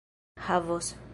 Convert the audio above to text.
havos